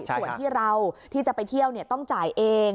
ส่วนที่เราที่จะไปเที่ยวต้องจ่ายเอง